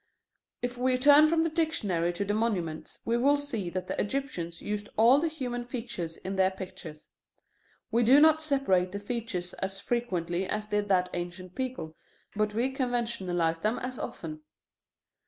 If we turn from the dictionary to the monuments, we will see that the Egyptians used all the human features in their pictures. We do not separate the features as frequently as did that ancient people, but we conventionalize them as often.